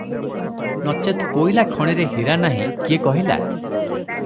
ନଚେତ୍ କୋଇଲା ଖଣିରେ ହୀରା ନାହିଁ କିଏ କହିଲା?